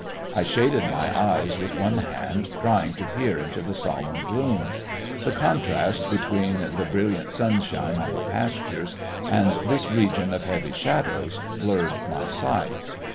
I shaded my eyes with one hand, trying to peer into the solemn gloom. The contrast between the brilliant sunshine on the pastures and this region of heavy shadows blurred my sight.